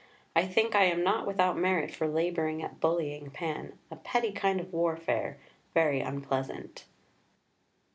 I think I am not without merit for labouring at bullying Pan a petty kind of warfare, very unpleasant."